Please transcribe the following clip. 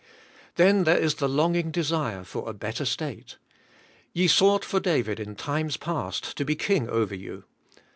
Then there is the longing desire for a better state : *Ye sought for David in times past to be king over you.'